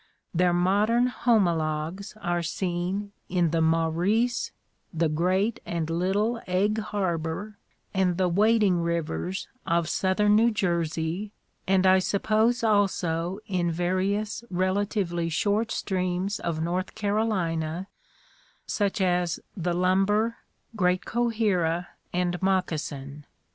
Their modern homo logues are seen in the Maurice, the Great and Little Egg Harbor and the Wading rivers of southern New Jersey, and I suppose also in various relatively short streams of North Carolina, such as the Lumber, Great Cohera and Moceassin.